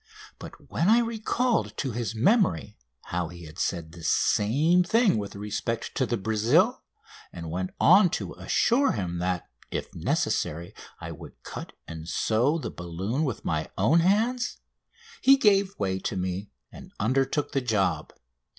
But when I recalled to his memory how he had said the same thing with respect to the "Brazil," and went on to assure him that, if necessary, I would cut and sew the balloon with my own hands, he gave way to me and undertook the job.